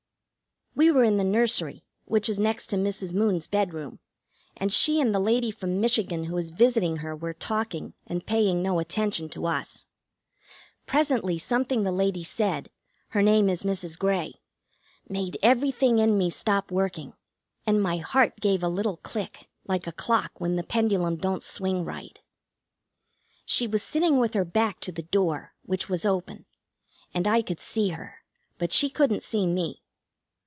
We were in the nursery, which is next to Mrs. Moon's bedroom, and she and the lady from Michigan, who is visiting her, were talking and paying no attention to us. Presently something the lady said her name is Mrs. Grey made everything in me stop working, and my heart gave a little click like a clock when the pendulum don't swing right. She was sitting with her back to the door, which was open, and I could see her, but she couldn't see me.